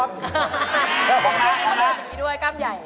นี่มันน่าอร่อยอย่างนี้ด้วยก้ามใหญ่